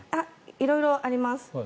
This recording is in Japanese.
色々あります。